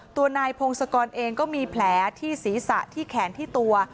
ตัวนายพงศกรเองก็มีแผลที่ศีรษะที่แขนที่ตัว